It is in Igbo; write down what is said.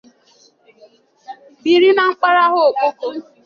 biri na mpaghara Okpoko